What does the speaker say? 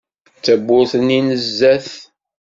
D tawwurt-nni n zzat.